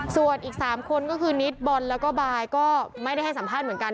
ส่วนอีก๓คนก็คือนิดบอลแล้วก็บายก็ไม่ได้ให้สัมภาษณ์เหมือนกัน